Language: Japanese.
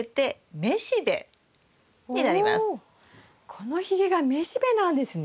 このひげが雌しべなんですね？